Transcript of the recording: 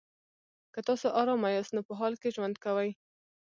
که تاسو ارامه یاست نو په حال کې ژوند کوئ.